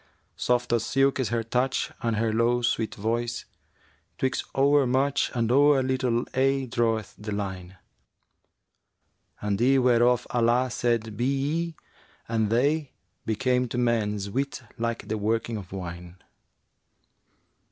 Soft as silk is her touch and her low sweet voice * Twixt o'er much and o'er little aye draweth the line: And eyne whereof Allah said 'Be ye!' and they * Became to man's wit like the working of wine.'